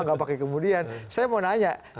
nggak pakai kemudian saya mau nanya